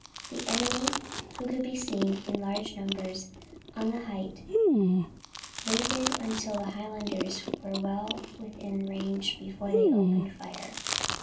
The enemy, who could be seen in large numbers on the height, waited until the Highlanders were well within range before they opened fire.